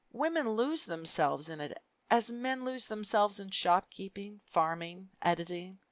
Women lose themselves in it as men lose themselves in shopkeeping, farming, editing.